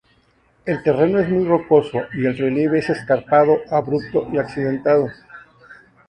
El terreno es muy rocoso y el relieve es escarpado, abrupto y accidentado.